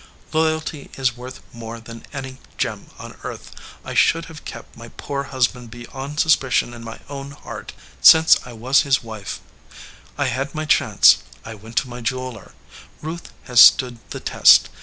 Loyalty is worth more than any gem on earth. I should have kept my poor hus band beyond suspicion in my own heart, since I was his wife. I had my chance. I went to my jeweler. Ruth has stood the test.